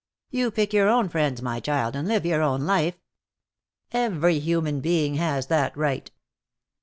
You pick your own friends, my child, and live your own life. Every human being has that right."